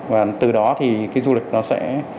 và từ đó thì cái du lịch nó sẽ